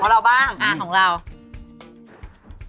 ของเรากันค่ะอาของเราว้าวอืม